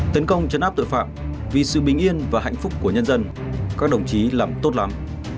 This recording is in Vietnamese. tấn công chấn áp tội phạm vì sự bình yên và hạnh phúc của nhân dân các đồng chí làm tốt lắm